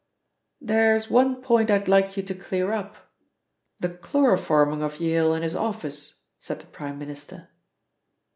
"There is one point I'd like you to clear up the chloroforming of Yale in his office," said the Prime Minister.